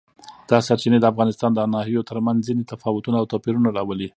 دا سرچینې د افغانستان د ناحیو ترمنځ ځینې تفاوتونه او توپیرونه راولي.